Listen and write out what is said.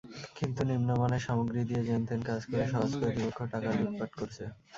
কিন্তু নিম্নমানের সামগ্রী দিয়ে যেনতেন কাজ করে সওজ কর্তৃপক্ষ টাকা লুটপাট করছে।